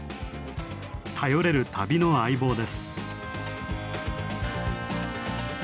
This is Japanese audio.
頼れる旅の相棒です。